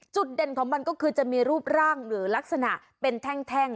จุดเด่นของมันก็คือจะมีรูปร่างหรือลักษณะเป็นแท่ง